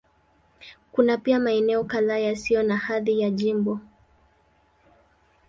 Kuna pia maeneo kadhaa yasiyo na hadhi ya jimbo.